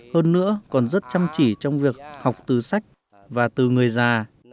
hơn nữa còn rất chăm chỉ trong việc học từ sách và từ người già